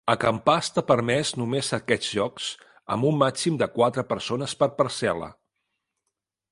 Acampar està permès només a aquests llocs, amb un màxim de quatre persones per parcel·la.